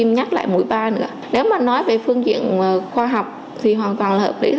nếu nói về phương diện khoa học thì hoàn toàn là hợp lý